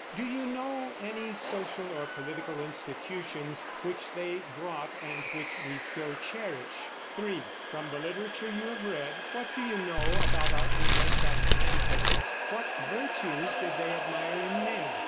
Do you know any social or political institutions which they brought, and which, we still cherish? 3. From the literature you have read, what do you know about our Anglo Saxon ancestors? What virtues did they admire in men?